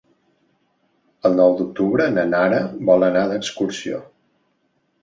El nou d'octubre na Nara vol anar d'excursió.